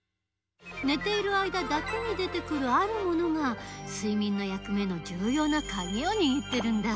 寝ている間だけに出てくるあるものが睡眠の役目のじゅうようなカギをにぎってるんだ。